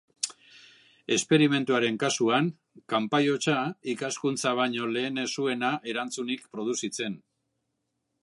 Esperimentuaren kasuan: kanpai-hotsa, ikaskuntza baino lehen ez zuena erantzunik produzitzen.